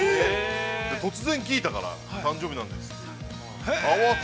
突然聞いたから誕生日なんですって。